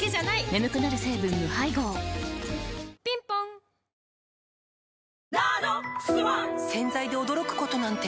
眠くなる成分無配合ぴんぽん洗剤で驚くことなんて